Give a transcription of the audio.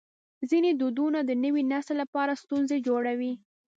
ځینې دودونه د نوي نسل لپاره ستونزې جوړوي.